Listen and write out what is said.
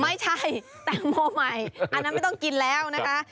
ไม่ใช่แตงโมใหม่อันนั้นไม่ต้องกินแล้วนะคะ